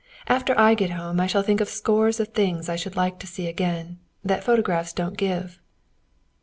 After I get home I shall think of scores of things I should like to see again that photographs don't give."